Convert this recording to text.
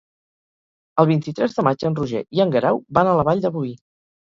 El vint-i-tres de maig en Roger i en Guerau van a la Vall de Boí.